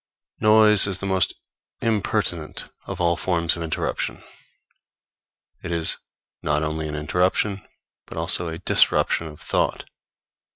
Noise is the most impertinent of all forms of interruption. It is not only an interruption, but also a disruption of thought.